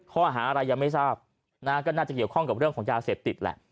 ข้อหาอะไรยังไม่ทราบนะฮะก็น่าจะเกี่ยวข้องกับเรื่องของยาเสพติดแหละ